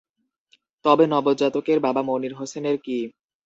তবে নবজাতকের বাবা মনির হোসেনের কি?